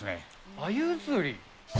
あゆ釣り？